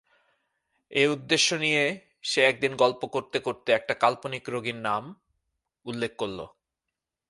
এই উদেশ্য নিয়ে সে একদিন গল্প করতে করতে একটা কাল্পনিক রোগীর নাম উল্লেখ করলে।